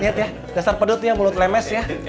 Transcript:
lihat ya dasar pedut ya mulut lemes ya